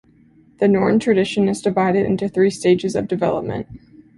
The Norton tradition is divided into three stages of development.